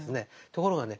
ところがね